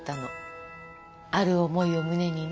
ある思いを胸にね。